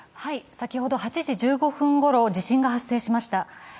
先ほど８時１５分ごろ地震が発生しました。